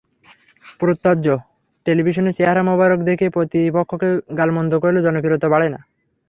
প্রত্যহ টেলিভিশনে চেহারা মোবারক দেখিয়ে প্রতিপক্ষকে গালমন্দ করলে জনপ্রিয়তা বাড়ে না।